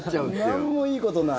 なんもいいことない。